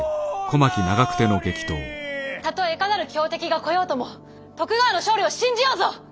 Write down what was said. たとえいかなる強敵が来ようとも徳川の勝利を信じようぞ！